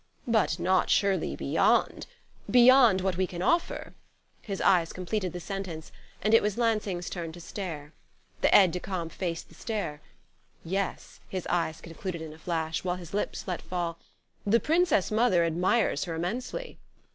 "But not, surely, beyond beyond what we can offer," his eyes completed the sentence; and it was Lansing's turn to stare. The aide de camp faced the stare. "Yes," his eyes concluded in a flash, while his lips let fall: "The Princess Mother admires her immensely."